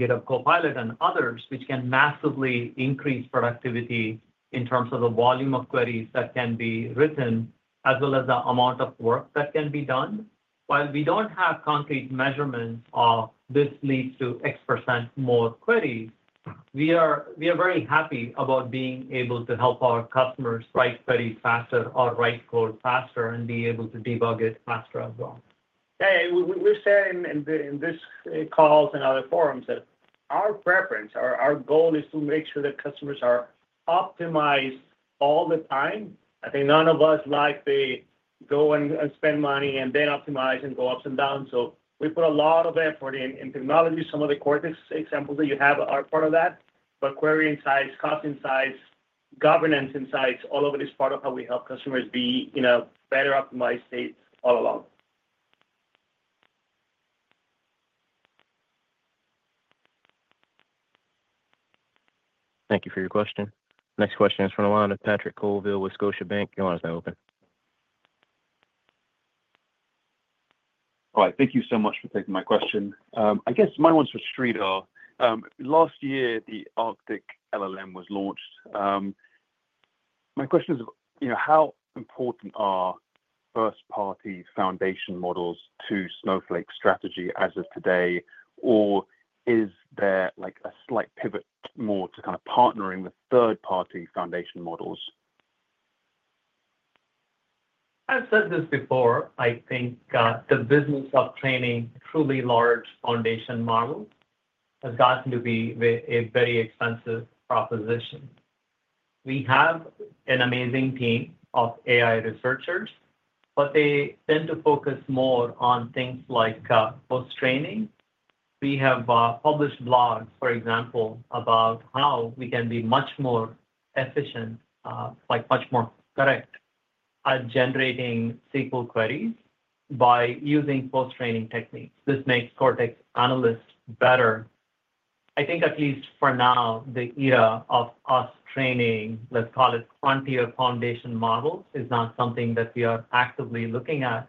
GitHub Copilot and others, which can massively increase productivity in terms of the volume of queries that can be written, as well as the amount of work that can be done. While we do not have concrete measurements of this leads to X percent more queries, we are very happy about being able to help our customers write queries faster or write code faster and be able to debug it faster as well. Yeah. We have said in these calls and other forums that our preference or our goal is to make sure that customers are optimized all the time. I think none of us like to go and spend money and then optimize and go ups and downs. We put a lot of effort in technology. Some of the Cortex examples that you have are part of that. Query insights, cost insights, governance insights, all of it is part of how we help customers be in a better optimized state all along. Thank you for your question. Next question is from the line of Patrick Colville with Scotiabank. Can you want to have that open? Hi. Thank you so much for taking my question. I guess my one's for Sridhar. Last year, the Arctic LLM was launched. My question is, how important are first-party foundation models to Snowflake's strategy as of today? Is there a slight pivot more to kind of partnering with third-party foundation models? I've said this before. I think the business of training truly large foundation models has gotten to be a very expensive proposition. We have an amazing team of AI researchers, but they tend to focus more on things like post-training. We have published blogs, for example, about how we can be much more efficient, much more correct at generating SQL queries by using post-training techniques. This makes Cortex Analyst better. I think, at least for now, the era of us training, let's call it frontier foundation models, is not something that we are actively looking at.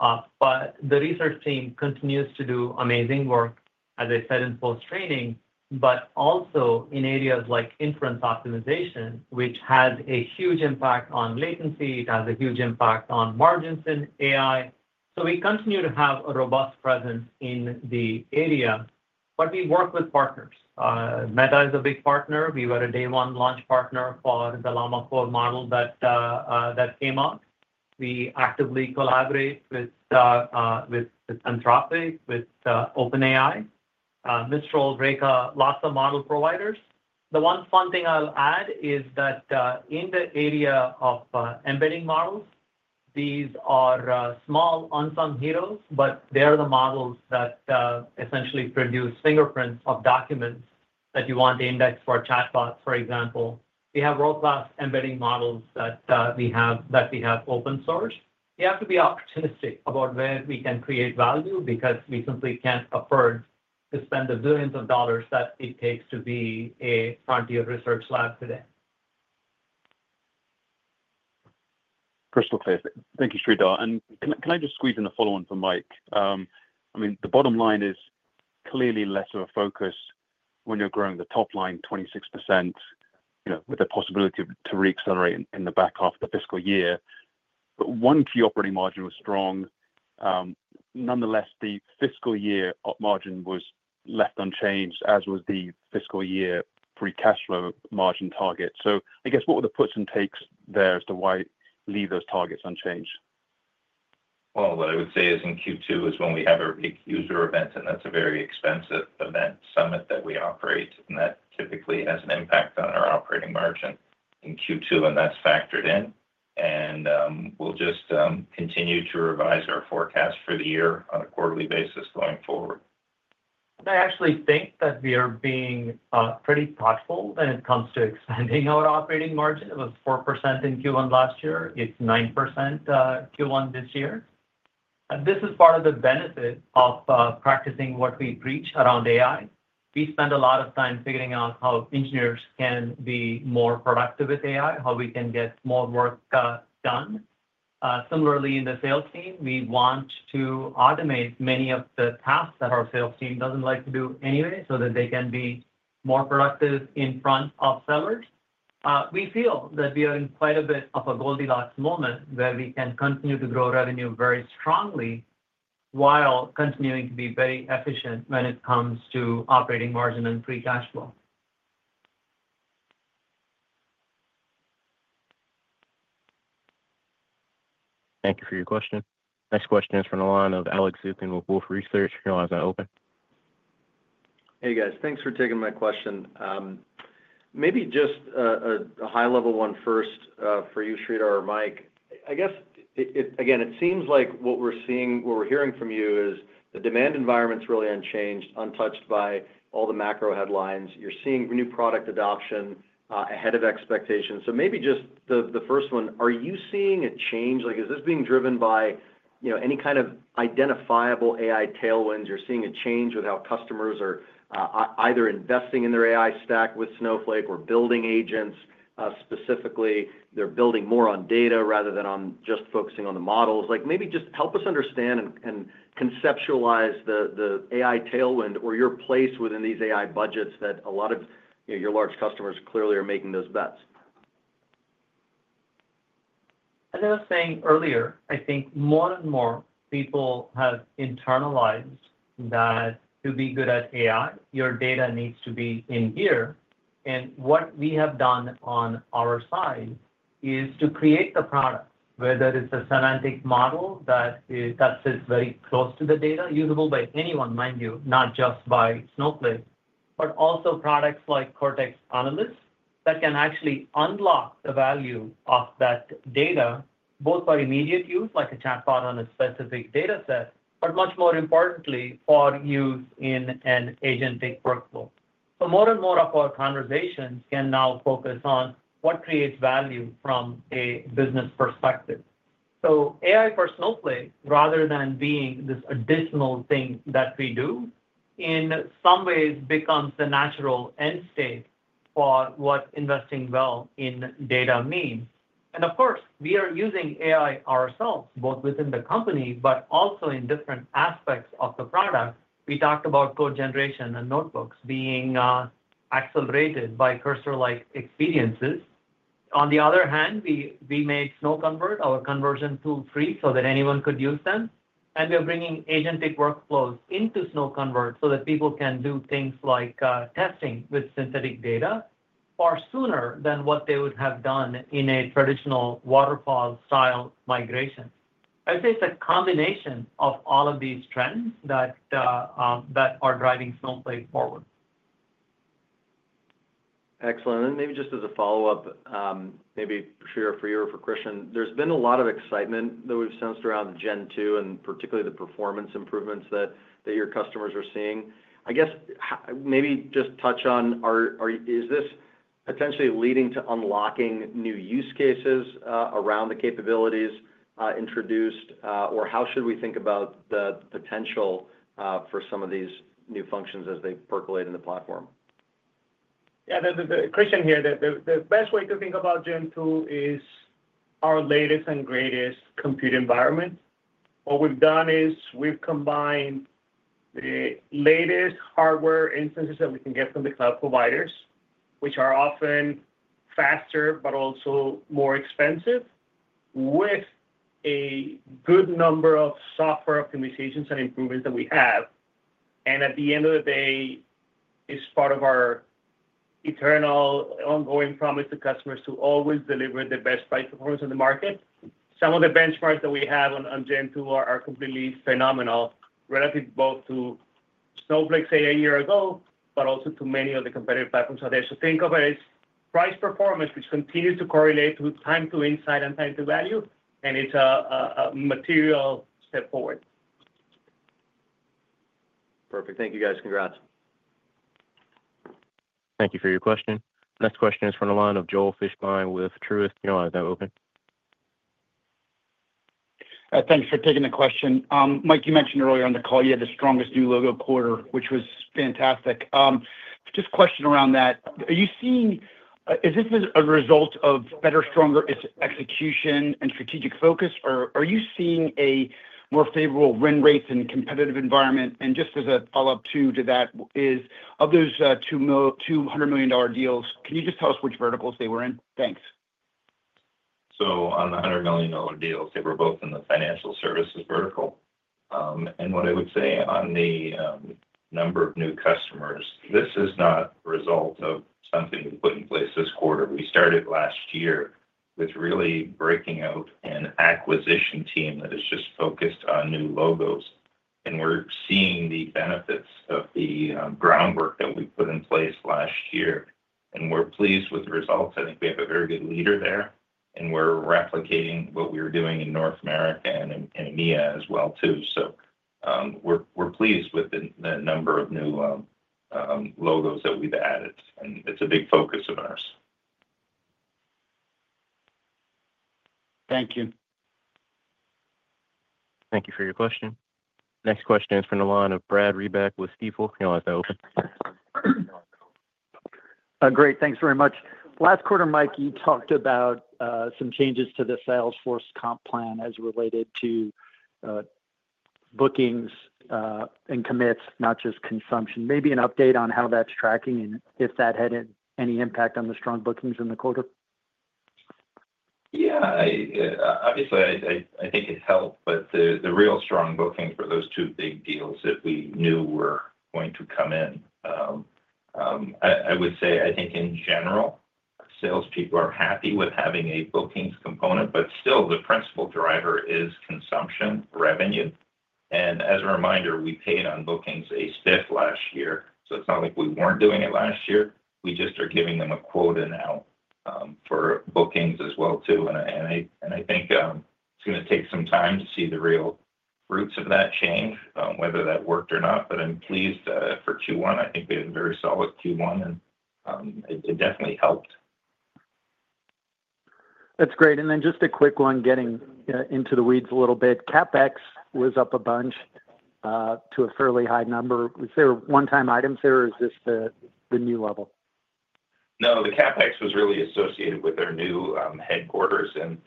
The research team continues to do amazing work, as I said, in post-training, but also in areas like inference optimization, which has a huge impact on latency. It has a huge impact on margins in AI. We continue to have a robust presence in the area. We work with partners. Meta is a big partner. We were a day-one launch partner for the Llama 4 model that came out. We actively collaborate with Anthropic, with OpenAI, Mistral, Reka, lots of model providers. The one fun thing I'll add is that in the area of embedding models, these are small, unsung heroes, but they are the models that essentially produce fingerprints of documents that you want to index for chatbots, for example. We have world-class embedding models that we have open-source. We have to be optimistic about where we can create value because we simply can't afford to spend the billions of dollars that it takes to be a frontier research lab today. Crystal clear. Thank you, Sridhar. Can I just squeeze in a follow-on for Mike? I mean, the bottom line is clearly less of a focus when you're growing the top line 26% with the possibility to re-accelerate in the back half of the fiscal year. One key operating margin was strong. Nonetheless, the fiscal year margin was left unchanged, as was the fiscal year free cash flow margin target. I guess, what were the puts and takes there as to why leave those targets unchanged? What I would say is in Q2 is when we have a big user event, and that's a very expensive event summit that we operate. That typically has an impact on our operating margin in Q2, and that's factored in. We'll just continue to revise our forecast for the year on a quarterly basis going forward. I actually think that we are being pretty thoughtful when it comes to expanding our operating margin. It was 4% in Q1 last year. It's 9% Q1 this year. This is part of the benefit of practicing what we preach around AI. We spend a lot of time figuring out how engineers can be more productive with AI, how we can get more work done. Similarly, in the sales team, we want to automate many of the tasks that our sales team does not like to do anyway so that they can be more productive in front of sellers. We feel that we are in quite a bit of a Goldilocks moment where we can continue to grow revenue very strongly while continuing to be very efficient when it comes to operating margin and free cash flow. Thank you for your question. Next question is from the line of Alex Zukin with Wolfe Research. Can you want to have that open? Hey, guys. Thanks for taking my question. Maybe just a high-level one first for you, Sridhar or Mike. I guess, again, it seems like what we're seeing, what we're hearing from you is the demand environment's really unchanged, untouched by all the macro headlines. You're seeing new product adoption ahead of expectations. Maybe just the first one, are you seeing a change? Is this being driven by any kind of identifiable AI tailwinds? You're seeing a change with how customers are either investing in their AI stack with Snowflake or building agents specifically. They're building more on data rather than just focusing on the models. Maybe just help us understand and conceptualize the AI tailwind or your place within these AI budgets that a lot of your large customers clearly are making those bets. As I was saying earlier, I think more and more people have internalized that to be good at AI, your data needs to be in here. What we have done on our side is to create the product, whether it's a semantic model that sits very close to the data, usable by anyone, mind you, not just by Snowflake, but also products like Cortex Analyst that can actually unlock the value of that data, both for immediate use, like a chatbot on a specific data set, but much more importantly, for use in an agentic workflow. More and more of our conversations can now focus on what creates value from a business perspective. AI for Snowflake, rather than being this additional thing that we do, in some ways becomes the natural end state for what investing well in data means. Of course, we are using AI ourselves, both within the company, but also in different aspects of the product. We talked about code generation and notebooks being accelerated by Cursor-like experiences. On the other hand, we made SnowConvert, our conversion tool, free so that anyone could use them. We are bringing agentic workflows into SnowConvert so that people can do things like testing with synthetic data far sooner than what they would have done in a traditional waterfall-style migration. I'd say it's a combination of all of these trends that are driving Snowflake forward. Excellent. Maybe just as a follow-up, maybe for you or for Christian, there's been a lot of excitement that we've sensed around Gen 2 and particularly the performance improvements that your customers are seeing. I guess, maybe just touch on, is this potentially leading to unlocking new use cases around the capabilities introduced? How should we think about the potential for some of these new functions as they percolate in the platform? Yeah. Christian here. The best way to think about Gen 2 is our latest and greatest compute environment. What we've done is we've combined the latest hardware instances that we can get from the cloud providers, which are often faster but also more expensive, with a good number of software optimizations and improvements that we have. At the end of the day, it's part of our eternal ongoing promise to customers to always deliver the best price performance in the market. Some of the benchmarks that we have on Gen 2 are completely phenomenal, relative both to Snowflake's AI a year ago but also to many of the competitive platforms out there. Think of it as price performance, which continues to correlate to time to insight and time to value. It's a material step forward. Perfect. Thank you, guys. Congrats. Thank you for your question. Next question is from the line of Joel Fishbein with Truist. Can you want to have that open? Thanks for taking the question. Mike, you mentioned earlier on the call you had the strongest new logo quarter, which was fantastic. Just a question around that. Are you seeing is this a result of better, stronger execution and strategic focus? Or are you seeing a more favorable win rates in a competitive environment? Just as a follow-up to that is, of those $200 million deals, can you just tell us which verticals they were in? Thanks. On the $100 million deals, they were both in the financial services vertical. What I would say on the number of new customers, this is not a result of something we put in place this quarter. We started last year with really breaking out an acquisition team that is just focused on new logos. We are seeing the benefits of the groundwork that we put in place last year. We are pleased with the results. I think we have a very good leader there. We are replicating what we were doing in North America and EMEA as well, too. We are pleased with the number of new logos that we have added. It is a big focus of ours. Thank you. Thank you for your question. Next question is from the line of Brad Reback with Stifel. Can you want to have that open? Great. Thanks very much. Last quarter, Mike, you talked about some changes to the Salesforce comp plan as related to bookings and commits, not just consumption. Maybe an update on how that's tracking and if that had any impact on the strong bookings in the quarter? Yeah. Obviously, I think it helped. The real strong booking for those two big deals that we knew were going to come in, I would say, I think, in general, salespeople are happy with having a bookings component. Still, the principal driver is consumption revenue. As a reminder, we paid on bookings a step last year. It's not like we weren't doing it last year. We just are giving them a quota now for bookings as well, too. I think it's going to take some time to see the real fruits of that change, whether that worked or not. I'm pleased for Q1. I think we had a very solid Q1. It definitely helped. That's great. And then just a quick one, getting into the weeds a little bit. CapEx was up a bunch to a fairly high number. Was there one-time items there, or is this the new level? No. The CapEx was really associated with our new headquarters in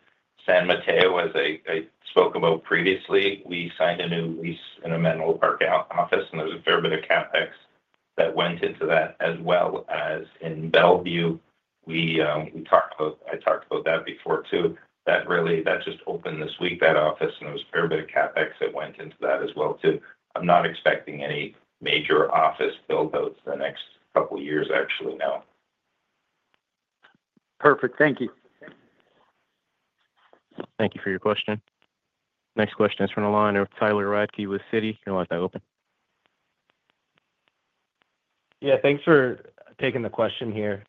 San Mateo, as I spoke about previously. We signed a new lease in a Menlo Park office. There was a fair bit of CapEx that went into that, as well as in Bellevue. I talked about that before, too. That just opened this week, that office. There was a fair bit of CapEx that went into that as well, too. I'm not expecting any major office build-outs the next couple of years, actually, now. Perfect. Thank you. Thank you for your question. Next question is from the line of Tyler Radke with Citi. Can you want to have that open? Yeah. Thanks for taking the question here.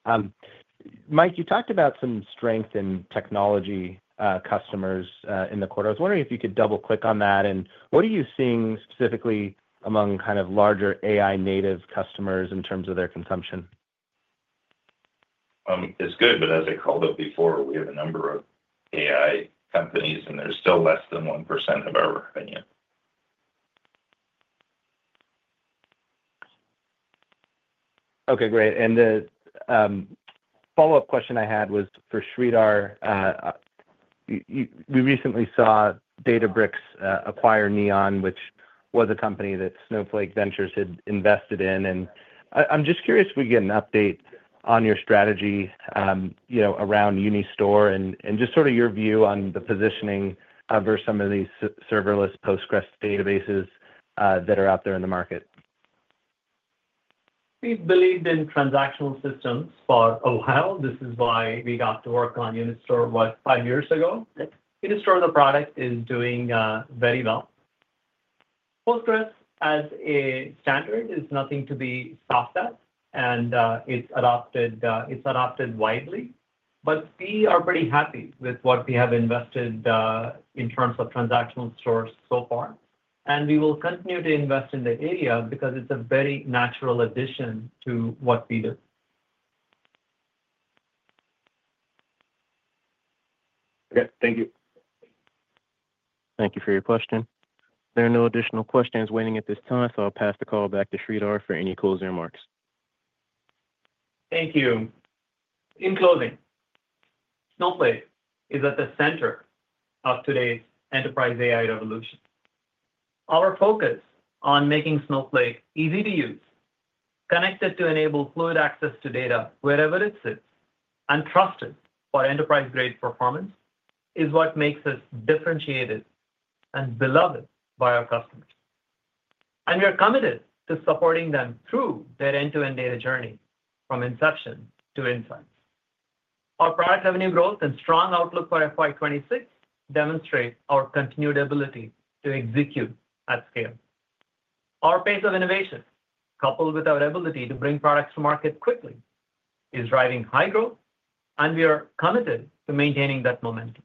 Mike, you talked about some strength in technology customers in the quarter. I was wondering if you could double-click on that. What are you seeing specifically among kind of larger AI-native customers in terms of their consumption? It's good. As I called out before, we have a number of AI companies, and they're still less than 1%, in our opinion. Okay. Great. The follow-up question I had was for Sridhar. We recently saw Databricks acquire Neon, which was a company that Snowflake Ventures had invested in. I'm just curious if we can get an update on your strategy around Unistore and just sort of your view on the positioning of some of these serverless Postgres databases that are out there in the market. We believed in transactional systems for a while. This is why we got to work on Unistore five years ago. Unistore, the product, is doing very well. Postgres, as a standard, is nothing to be sussed at. And it's adopted widely. We are pretty happy with what we have invested in terms of transactional stores so far. We will continue to invest in the area because it's a very natural addition to what we do. Okay. Thank you. Thank you for your question. There are no additional questions waiting at this time. I'll pass the call back to Sridhar for any closing remarks. Thank you. In closing, Snowflake is at the center of today's enterprise AI revolution. Our focus on making Snowflake easy to use, connected to enable fluid access to data wherever it sits, and trusted for enterprise-grade performance is what makes us differentiated and beloved by our customers. We are committed to supporting them through their end-to-end data journey from inception to insights. Our product revenue growth and strong outlook for FY26 demonstrate our continued ability to execute at scale. Our pace of innovation, coupled with our ability to bring products to market quickly, is driving high growth. We are committed to maintaining that momentum.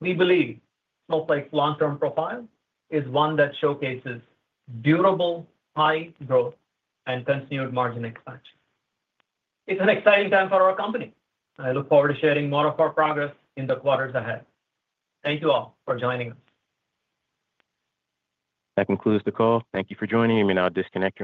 We believe Snowflake's long-term profile is one that showcases durable, high growth, and continued margin expansion. It is an exciting time for our company. I look forward to sharing more of our progress in the quarters ahead. Thank you all for joining us. That concludes the call. Thank you for joining. You may now disconnect.